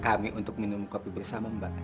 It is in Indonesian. kami untuk minum kopi bersama mbak